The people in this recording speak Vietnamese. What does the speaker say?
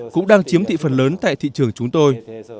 cũng đang chiếm thị phần lớn tại thị trường chúng tôi